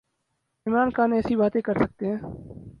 عمران خان ایسی باتیں کر سکتے ہیں۔